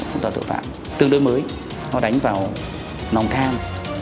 đây là cái tội phạm là tội phạm tương đới mới nó đánh vào nòng khan